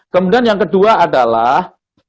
kemudian yang kedua adalah